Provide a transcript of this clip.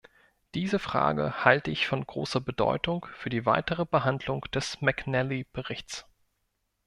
Diese Frage halte ich von großer Bedeutung für die weitere Behandlung des McNally-Berichts.